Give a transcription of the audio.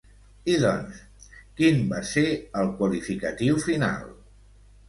I doncs, quin va ser el qualificatiu final?